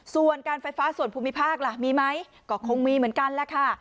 ส่วนการไฟฟ้าส่วนภูมิภาคล่ะมีไหมก็คงมีเหมือนกันแหละค่ะ